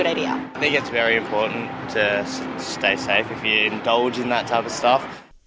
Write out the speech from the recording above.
saya pikir itu sangat penting untuk tetap aman jika anda menyerah dengan hal hal seperti itu